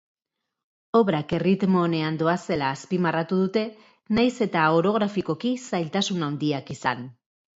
Obrak erritmo onean doazela azpimarratu dute, nahiz eta orografikoki zailtasun handiak izan.